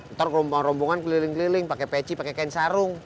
ntar rombong rombongan keliling keliling pake peci pake kain sarung